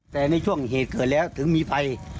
แต่ในช่วงเหตุเกิดแล้วถึงมีภัย